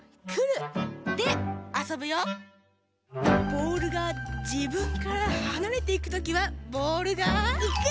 ボールがじぶんからはなれていくときはボールが。